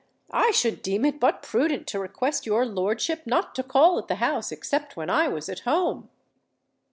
I should deem it but prudent to request your lordship not to call at the house except when I was at home!"